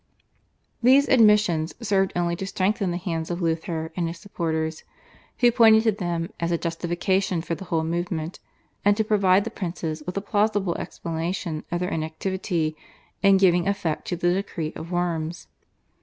These admissions served only to strengthen the hands of Luther and his supporters, who pointed to them as a justification for the whole movement, and to provide the princes with a plausible explanation of their inactivity in giving effect to the decree of Worms.